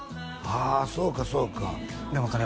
あそうかそうか何かね